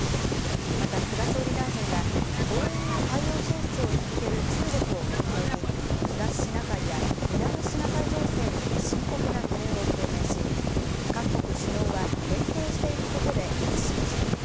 また菅総理大臣が、強引な海洋進出を続ける中国を念頭に、東シナ海や南シナ海情勢に深刻な懸念を表明し、各国首脳は連携していくことで一致しました。